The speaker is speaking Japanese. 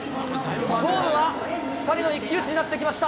勝負は２人の一騎打ちになってきました。